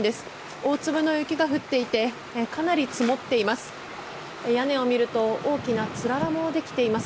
大粒の雪が降っていてかなり積もっています。